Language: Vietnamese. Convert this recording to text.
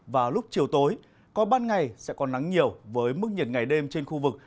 và lúc chiều tối có ban ngày sẽ có nắng nhiều với mức nhiệt ngày đêm trên khu vực